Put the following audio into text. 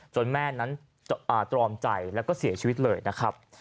แม่นั้นตรอมใจแล้วก็เสียชีวิตเลยนะครับ